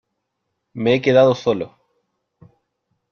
me he quedado solo